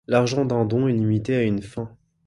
L'argent d'un don est limité à une fin.